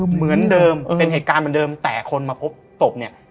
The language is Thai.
เหมือนเดิมเป็นเหตุการณ์เหมือนเดิมแต่คนมาพบศพเนี่ย